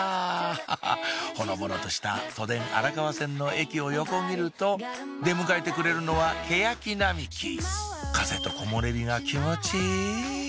ハハッほのぼのとした都電荒川線の駅を横切ると出迎えてくれるのはケヤキ並木風と木漏れ日が気持ちいい！